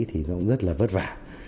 thì nó cũng rất là vất vả